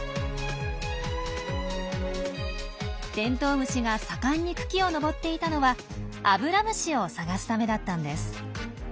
テントウムシが盛んに茎をのぼっていたのはアブラムシを探すためだったんです。